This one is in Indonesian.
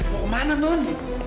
mau kemana nun